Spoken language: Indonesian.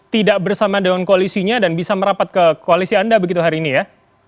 tidak bersama dengan koalisinya dan bisa merapat ke koalisi anda begitu hari ini ya